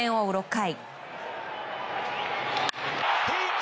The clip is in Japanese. ６回。